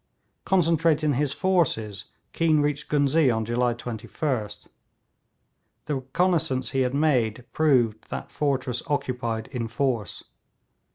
Concentrating his forces, Keane reached Ghuznee on July 21st. The reconnaissance he made proved that fortress occupied in force.